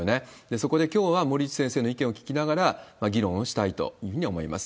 そこできょうは森内先生の意見を聞きながら、議論をしたいというふうに思います。